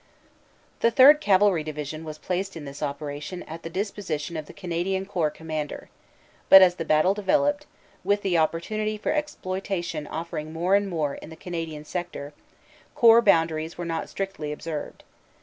The Third Cavalry Division was placed in this operation at disposition of the Canadian Corps Commander, but as the battle developed, with the opportunity for exploitation offer ing more and more in the Canadian sector, Corps Boundaries were not strictly observed.